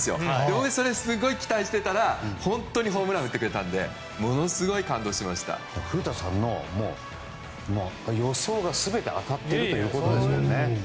僕もそれに期待していたら本当にホームランを打ってくれたので古田さんの予想が全て当たっているということですもんね。